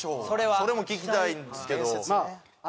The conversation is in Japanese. それも聞きたいんですけどまあ